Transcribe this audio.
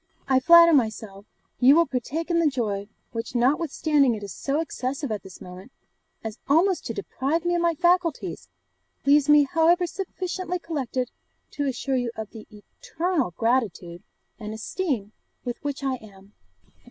'I flatter myself you will partake in the joy which, notwithstanding it is so excessive at this moment, as almost to deprive me of my faculties, leaves me however sufficiently collected to assure you of the eternal gratitude and esteem with which I am,' etc.